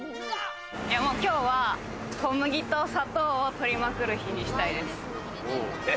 今日は小麦と砂糖を取りまくる日にしたいです。